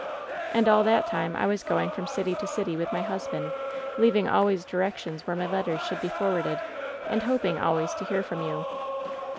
" *And all that time I was going from city to city with my husband, leaving always directions where my letters should be forwarded, and hoping always to hear from you.'